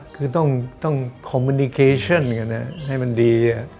คือต้องคอมมิลิเคชันกันให้มันดี